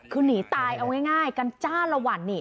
คือหนีตายเอาง่ายกันจ้าละวันนี่